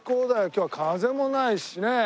今日は風もないしね。